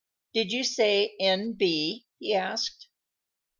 Did you say N.B.?" he asked.